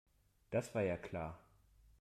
Das war ja klar.